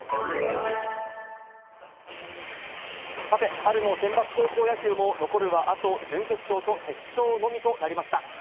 さて、春のセンバツ高校野球も、残るはあと準決勝と決勝のみとなりました。